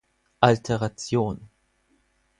alteration